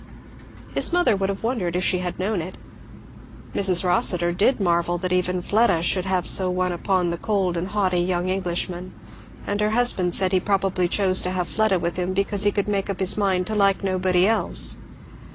His mother would have wondered if she had known it. Mrs. Rossitur did marvel that even Fleda should have so won upon the cold and haughty young Englishman; and her husband said he probably chose to have Fleda with him because he could make up his mind to like nobody else.